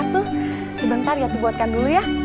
kak atuh sebentar ya dibuatkan dulu ya